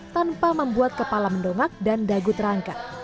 tanpa membuat kepala mendongak dan dagu terangkat